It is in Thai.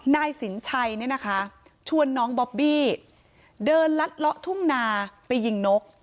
นายสินชัยเนี่ยนะคะชวนน้องบอบบี้เดินลัดเลาะทุ่งนาไปยิงนก